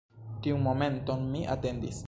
Tiun momenton mi atendis.